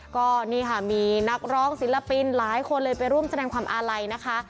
ก็นี่ค่ะมีนักร้องศิลปินหลายคนเลยไปร่วมแสดงความอาลัยนะคะ